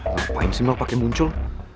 ngapain sih lo pake muncul